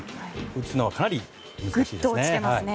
打つのがかなり難しいですね。